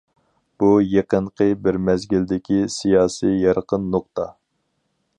بۇ يېقىنقى بىر مەزگىلدىكى سىياسىي يارقىن نۇقتا.